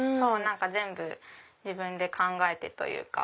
全部自分で考えてというか。